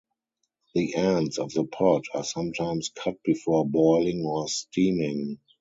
The ends of the pod are sometimes cut before boiling or steaming.